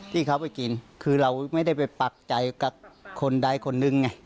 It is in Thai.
ที่เขาไปกินคือเราไม่ได้ไปปักใจกับคนใดคนนึงไง